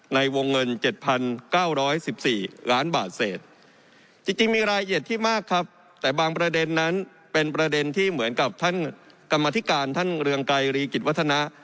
ในวงเงิน๗๙๑๔ล้านบาทเศษจริงมีรายละเอียดที่มากครับแต่บางประเด็นนั้นเป็นประเด็นที่เหมือนกับท่านกรรมธิการท่านเรืองไกรรีกิจวัฒนะ